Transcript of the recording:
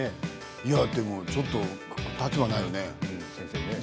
いやでもちょっと立場ないよね。